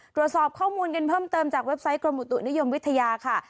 ตรวจสอบข้อมูลกันเพิ่มเติมจากเว็บไซต์กรมอุตุนิยมวิทยาค่ะ